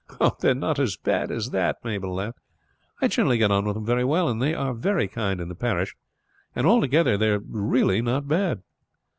"They are not so bad as that," Mabel laughed. "I generally get on with them very well, and they are very kind in the parish; and altogether they are really not bad."